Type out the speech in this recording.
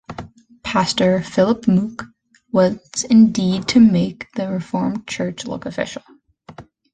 Pastor Philippe Mook wants indeed to make the reformed Church look official.